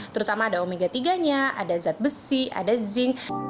terutama ada omega tiga nya ada zat besi ada zinc